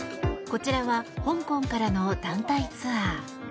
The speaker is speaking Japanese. こちらは香港からの団体ツアー。